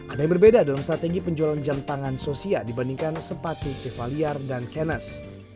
ada yang berbeda dalam strategi penjualan jam tangan sosia dibandingkan sepati kevaliar dan kenes